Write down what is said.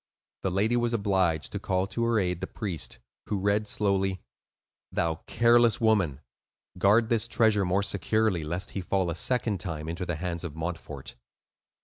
The lady was obliged to call to her aid the priest, who read slowly:— "Thou careless woman, guard this treasure more securely, lest he fall a second time into the hands of Montfort."